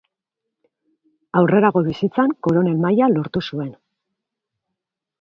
Aurrerago bizitzan Koronel maila lortu zuen.